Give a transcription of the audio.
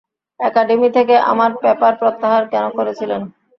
Academy থেকে আমার paper প্রত্যাহার কেন করেছিলেন?